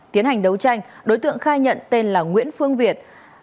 tiến hành đấu tranh đối tượng khai nhận tên là nguyễn phương việt